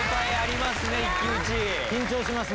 緊張します